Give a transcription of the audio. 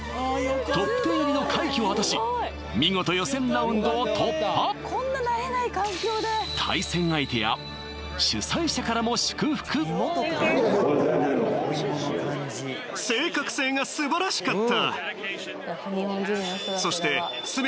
ＴＯＰ１０入りの快挙を果たし見事予選ラウンドを突破対戦相手や主催者からも祝福ああよかったよかった